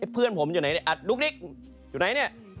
พี่